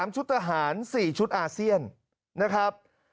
ชุดทหาร๔ชุดอาเซียนนะครับ